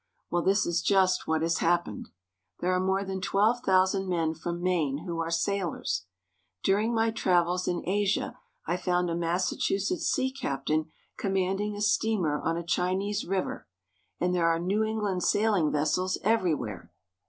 Well, this is just what has happened. There are more than twelve thousand men from Maine who are sailors. During my travels in Asia I found a Massachusetts sea captain com manding a steamer on a Chinese river, and there are New England sailing vessels everywhere.